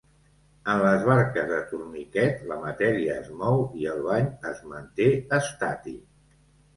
En les barques de torniquet la matèria es mou i el bany es manté estàtic.